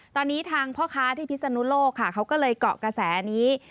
ตอนนี้ทางพ่อค้าที่พิศนุโลกค่ะเขาก็เลยเกาะกระแสนี้